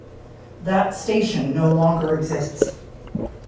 That station no longer exists.